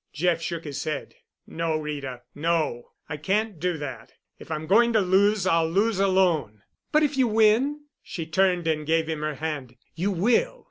Jeff shook his head. "No, Rita, no. I can't do that. If I'm going to lose, I'll lose alone." "But if you win?" she turned and gave him her hand. "You will.